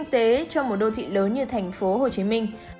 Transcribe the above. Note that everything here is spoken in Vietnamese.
trong một đô thị lớn như tp hcm